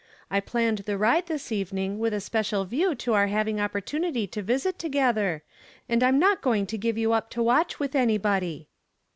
I planned the ride this even ing with a special view to our having op[)ortuniJv to visit together, and I am not going to give yoii up to watch with anybody."